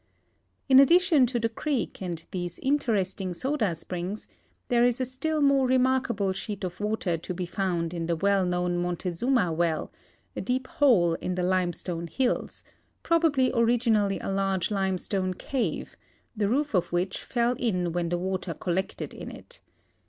In addition to the creek and these interesting soda springs, there is a still more remarkable sheet of water to be found in the well known Montezuma well, a deep hole in the limestone hills, probably originally a large limestone cave, the roof of which fell in when the water collected in it.